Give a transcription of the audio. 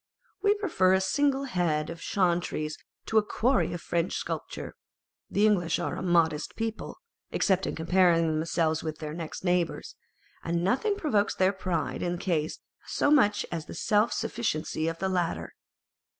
We prefer a single head of Chantry's to a quarry of French sculpture. The English are a modest people, except in comparing themselves with their next neighbours, and nothing provokes their pride in this case so much as the self sufficiency of the latter.